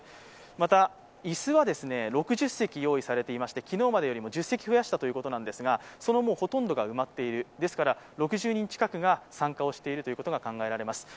また、椅子は６０席用意されておりまして昨日までより１０席増やしたということなんですが、そのほとんどが埋まっている、参加しているということが考えられます。